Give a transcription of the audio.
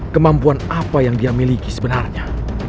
kemampuan apa yang dia miliki sebenarnya